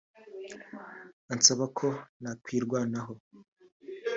ansaba ko nakwirwanaho